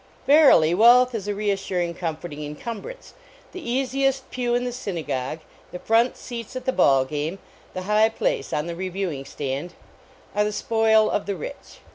Verily wealth is a reassuring, comforting inrumbrance. The easiest pew in the syna gogue, the front seats at the ball game, tin high place on the reviewing stand, are the spoil of the rich.